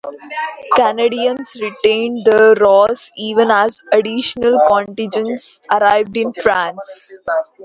Canadians retained the Ross even as additional contingents arrived in France.